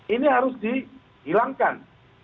ini harus dihilangkan